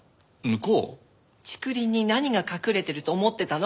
竹林に何が隠れてると思ってたの？